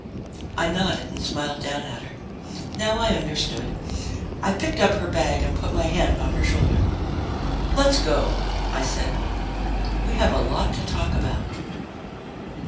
I nodded and smiled down at her. Now I understood. I picked up her bag and put my hand on her shoulder. "Let's go," I said. "We have a lot to talk about."